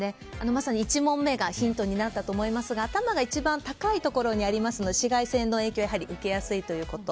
まさに１問目がヒントになったと思いますが頭が一番高いところにあるので紫外線の影響を受けやすいということ。